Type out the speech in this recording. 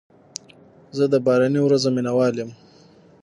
زه د باراني ورځو مینه وال یم.